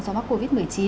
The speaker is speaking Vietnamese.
do mắc covid một mươi chín